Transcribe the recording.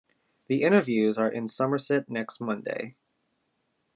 The interviews are in Somerset next Monday.